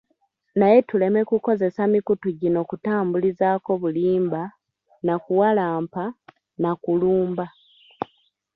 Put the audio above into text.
Naye tuleme kukozesa mikutu gino kutambulizaako bulimba, nakuwalampa, nakulumba.